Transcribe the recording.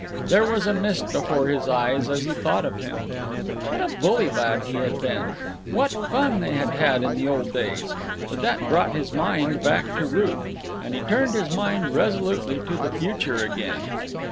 There was a mist before his eyes as he thought of him. What a bully lad he had been! What fun they had had in the old days! But that brought his mind back to Ruth, and he turned his mind resolutely to the future again.